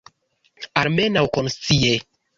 Almenaŭ konscie.